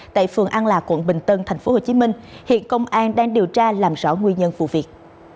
tại phường an lạc quận bình tân tp hcm hiện công an đang điều tra làm rõ nguyên nhân vụ việc